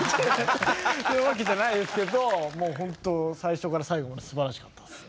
そういうわけじゃないですけどもうホント最初から最後まですばらしかったっすね。